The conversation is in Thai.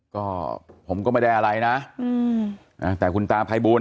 ก็ผมก็ไม่ได้อะไรนะอืมอ่าแต่คุณตาภัยบุญ